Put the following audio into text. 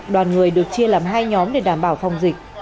đoàn người được chia làm hai nhóm để đảm bảo phòng dịch